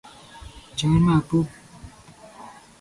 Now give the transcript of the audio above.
Jangan mabuk!